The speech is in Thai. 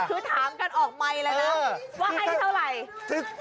คือถามกันออกไมค์เลยนะว่าให้เท่าไหร่